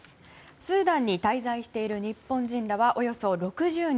スーダンに滞在している日本人らはおよそ６０人。